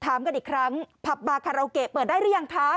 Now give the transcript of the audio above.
ถามกันอีกครั้งผับบาคาราโอเกะเปิดได้หรือยังคะ